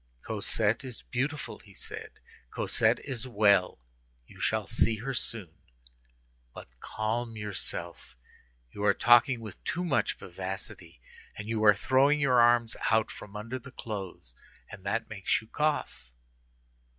"Cosette is beautiful," he said, "Cosette is well. You shall see her soon; but calm yourself; you are talking with too much vivacity, and you are throwing your arms out from under the clothes, and that makes you cough."